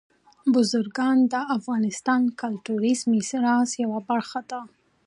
بزګان د افغانستان د کلتوري میراث یوه برخه ده.